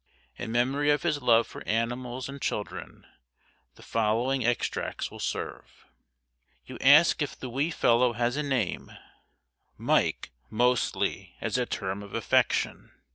In memory of his love for animals and children the following extracts will serve: You ask if the wee fellow has a name Mike, mostly, as a term of affection.